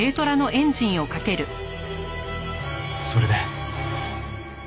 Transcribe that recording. それで？